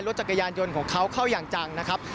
จักรยานยนต์ของเขาเข้าอย่างจังนะครับ